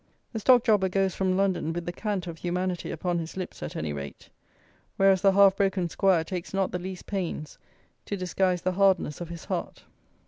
The Stock Jobber goes from London with the cant of humanity upon his lips, at any rate; whereas the half broken Squire takes not the least pains to disguise the hardness of his heart.